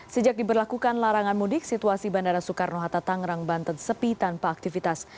sejak diberlakukan larangan mudik situasi bandara soekarno hatta tangerang banten sepi tanpa aktivitas